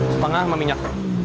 setengah dengan minyak